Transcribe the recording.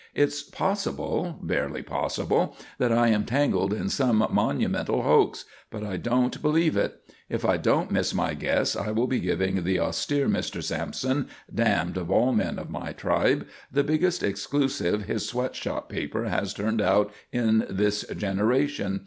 "It's possible, barely possible, that I am tangled in some monumental hoax. But I don't believe it. If I don't miss my guess I will be giving the austere Mr. Sampson, damned of all men of my tribe, the biggest exclusive his sweat shop paper has turned out in this generation.